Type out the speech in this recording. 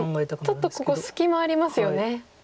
確かにちょっとここ隙間ありますよね。